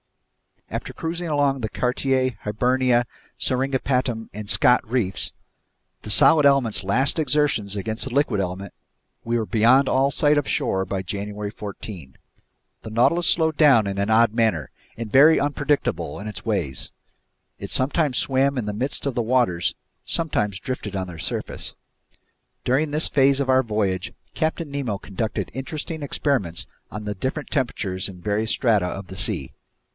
After cruising along the Cartier, Hibernia, Seringapatam, and Scott reefs, the solid element's last exertions against the liquid element, we were beyond all sight of shore by January 14. The Nautilus slowed down in an odd manner, and very unpredictable in its ways, it sometimes swam in the midst of the waters, sometimes drifted on their surface. During this phase of our voyage, Captain Nemo conducted interesting experiments on the different temperatures in various strata of the sea.